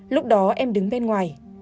lúc đó em đứng bên ngoài